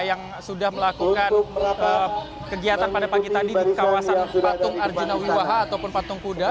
yang sudah melakukan kegiatan pada pagi tadi di kawasan patung arjuna wiwaha ataupun patung kuda